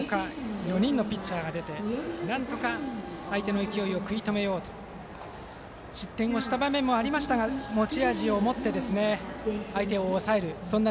計他４人のピッチャーが出てなんとか相手の勢いを食い止めようと失点をした場面もありましたが持ち味をもって相手を抑える。